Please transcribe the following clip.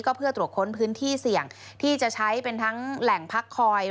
เพื่อตรวจค้นพื้นที่เสี่ยงที่จะใช้เป็นทั้งแหล่งพักคอย